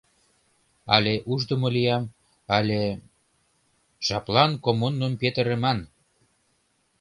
Але ушдымо лиям, але... жаплан коммуным петырыман!